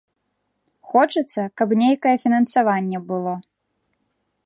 Хочацца, каб нейкае фінансаванне было.